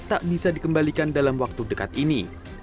tak bisa dikembalikan dalam waktu dekat ini